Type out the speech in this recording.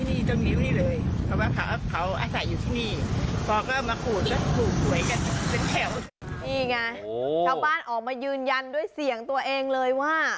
นี่ไงชาวบ้านออกมายืนยันด้วยเสียงตัวเองเลยว่า